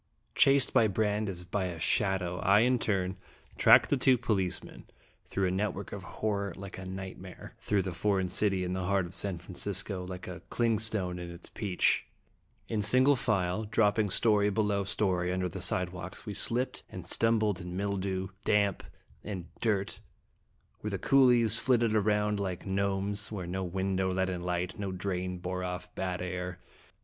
ACT II. Chased by Brande as by a shadow, I in turn tracked two policemen, through a net work of horror like a nightmare through the foreign city in the heart of San Francisco, like a clingstone in its peach. In single file, drop ping story below story under the sidewalks, we slipped and stumbled in mildew, damp, and dirt, where the coolies flitted round like gnomes, where no window let in light, no drain bore off bad air.